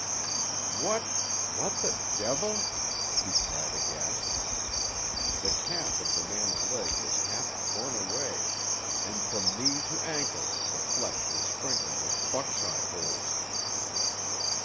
"What—what the devil?" he cried aghast. The calf of the man's leg was half torn away, and from knee to ankle the flesh was sprinkled with buckshot holes.